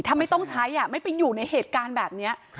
ถ้าไม่ต้องใช้ไม่ไปอยู่ในเหตุการณ์แบบนี้